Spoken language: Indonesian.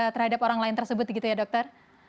terhadap orang lain tersebut gitu ya dokter